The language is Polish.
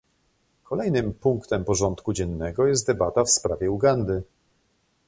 Kolejnym punktem porządku dziennego jest debata w sprawie Ugandy